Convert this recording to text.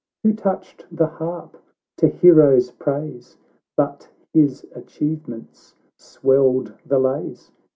Who touched the harp to heroes' praise. But his achievements swelled the lays